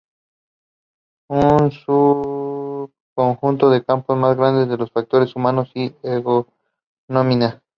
Es un subconjunto del campo más grande de los factores humanos y la ergonomía.